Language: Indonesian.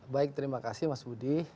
baik terima kasih mas budi